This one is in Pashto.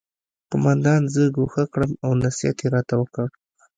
قومندان زه ګوښه کړم او نصیحت یې راته وکړ